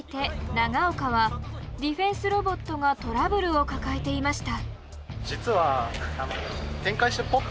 長岡はディフェンスロボットがトラブルを抱えていました。